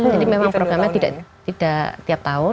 jadi memang programnya tidak tiap tahun